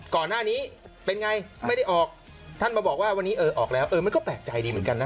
ก่อนหน้านี้เป็นไงไม่ได้ออกท่านมาบอกว่าวันนี้เออออกแล้วเออมันก็แปลกใจดีเหมือนกันนะ